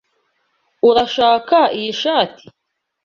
Urashaka iyi shati?